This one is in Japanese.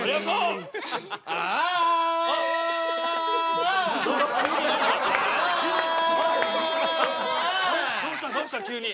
アアアアどうしたどうした急に。